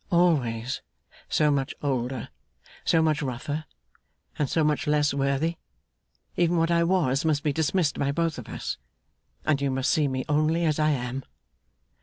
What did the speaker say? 'Always so much older, so much rougher, and so much less worthy, even what I was must be dismissed by both of us, and you must see me only as I am.